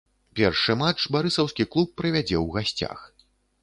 Першы матч барысаўскі клуб правядзе ў гасцях.